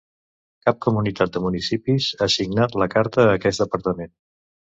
Cap comunitat de municipis ha signat la carta a aquest departament.